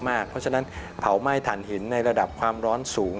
เพราะฉะนั้นเผาไหม้ฐานหินในระดับความร้อนสูง